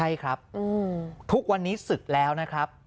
ใช่ครับทุกวันนี้ศึกแล้วนะครับ